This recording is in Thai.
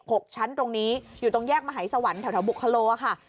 กชั้นตรงนี้อยู่ตรงแยกมหายสวรรค์แถวแถวบุคโลค่ะ